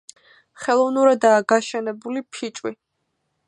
ხელოვნურადაა გაშენებული ფიჭვი.